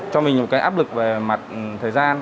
cho mình một cái áp lực về mặt thời gian